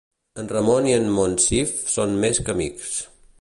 En Ramon i en Monsif són més que amics.